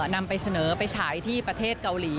นำไปเสนอไปฉายที่ประเทศเกาหลี